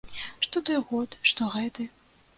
Што той год, што гэты.